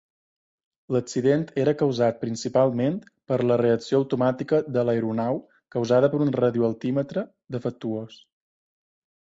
L'accident era causat principalment per la reacció automàtica de l'aeronau causada per un radioaltímetre defectuós.